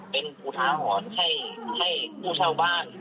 เป็นอุทาหรณ์ให้ผู้เช่าบ้าน